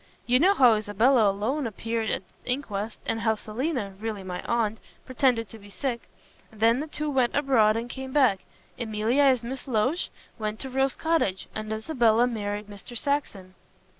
You know how Isabella alone appeared at the inquest, and how Selina really my aunt pretended to be sick. Then the two went abroad and came back; Emilia as Miss Loach went to Rose Cottage, and Isabella married Mr. Saxon."